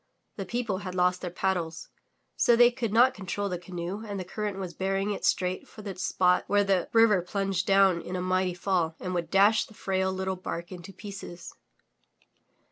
The people had lost their paddles, so they could not control the canoe and the current was bearing it straight for the spot where the river plunged down in a mighty fall and would dash the frail little bark into pieces.